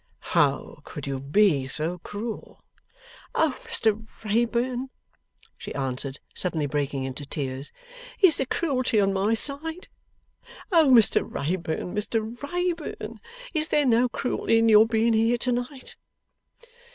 'How could you be so cruel?' 'O Mr Wrayburn,' she answered, suddenly breaking into tears, 'is the cruelty on my side! O Mr Wrayburn, Mr Wrayburn, is there no cruelty in your being here to night!